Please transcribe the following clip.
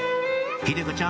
秀香ちゃん